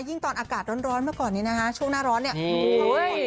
ยิ่งตอนอากาศร้อนเมื่อก่อนนี้นะคะช่วงหน้าร้อนเนี่ย